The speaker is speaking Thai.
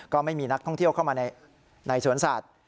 ก็ไม่มีนักท่องเที่ยวเข้ามาในสวนสัตว์